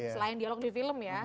selain dialog di film ya